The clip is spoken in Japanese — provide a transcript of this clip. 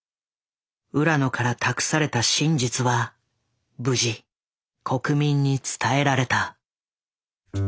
浦野から託された真実は無事国民に伝えられた。